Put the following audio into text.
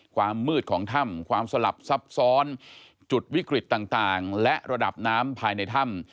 ความมืดของถ้ำความสลับซับซ้อนจุดวิกฤตต่างและระดับน้ำภายในถ้ำ